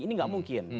ini gak mungkin